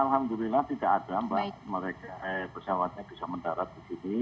alhamdulillah tidak ada mbak pesawatnya bisa mendarat di sini